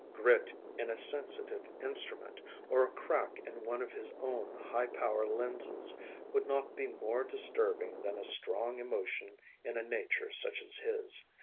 Grit in a sensitive instrument, or a crack in one of his own high power lenses, would not be more disturbing than a strong emotion in a nature such as his.